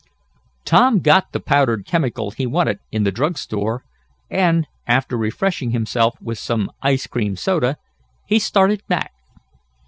Tom got the powdered chemical he wanted in the drug store, and, after refreshing himself with some ice cream soda, he started back.